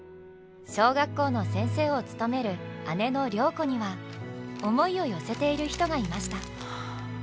小学校の先生を務める姉の良子には思いを寄せている人がいました。